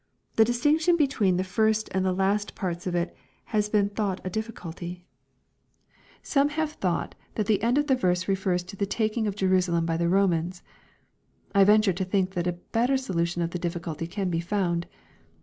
The distinction between the first and last parts of it has been thought a difficulty* Some S30 EXPOSITORY THOUGHTS. have thought that the end of the verse refers to the taking o* Jerusalem by the Romans. I venture to think that a better sola tion of the difficulty can be found.